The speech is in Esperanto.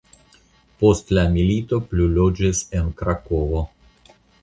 Post la milito plu loĝis en Krakovo.